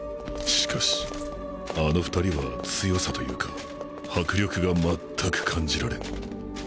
しかしあの２人は強さというか迫力がまったく感じられん